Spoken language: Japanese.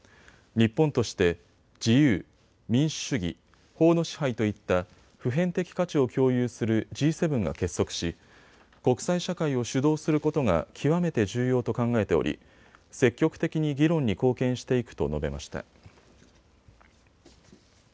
日本として自由、民主主義、法の支配といった普遍的価値を共有するＧ７が結束し国際社会を主導することが極めて重要と考えており積極的に議論に貢献していくと述べました。